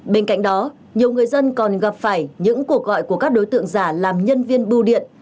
bên cạnh đó nhiều người dân còn gặp phải những cuộc gọi của các đối tượng giả làm nhân viên bưu điện